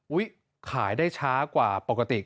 ขายได้ช้ากว่าปกติ